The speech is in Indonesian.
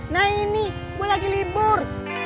nah ini gue lagi libur